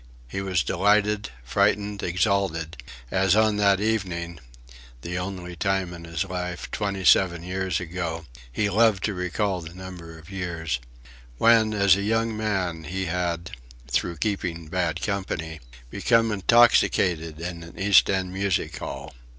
He was delighted, frightened, exalted as on that evening (the only time in his life twenty seven years ago; he loved to recall the number of years) when as a young man he had through keeping bad company become intoxicated in an East end music hall.